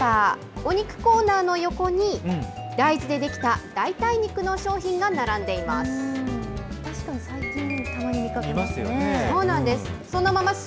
お肉コーナーの横に、大豆で出来た代替肉の商品が並んでいます。